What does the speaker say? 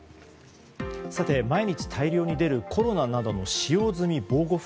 毎日、大量に出るコロナなどの使用済みの防護服。